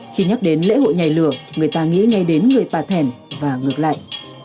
khi nhắc đến lễ hội nhảy lửa người ta nghĩ ngay đến người bà thẻn và ngược lại